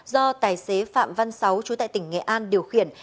do tài xế phạm văn sáu chú tại tỉnh nghệ an điều khiển